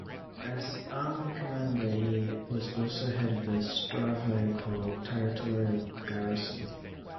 As army commander he was also head of the Stavropol Territorial Garrison.